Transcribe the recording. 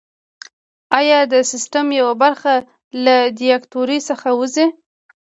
ایا د سیستم یوه برخه له دیکتاتورۍ څخه وځي؟